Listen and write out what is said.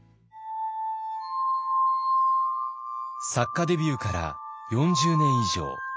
作家デビューから４０年以上。